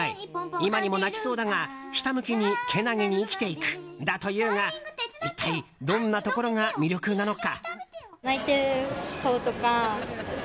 今にも泣きそうだが、ひたむきに健気に生きていく。」だというが一体どんなところが魅力なのか。